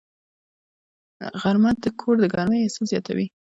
غرمه د کور د ګرمۍ احساس زیاتوي